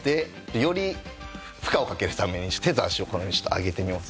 より負荷をかけるために手と足をこのようにちょっと上げてみます。